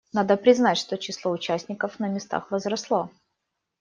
Надо признать, что число участников на местах возросло.